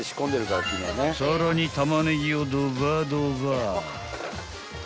［さらにタマネギをドバドバ］